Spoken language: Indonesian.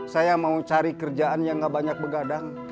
saya mau cari kerjaan yang gak banyak begadang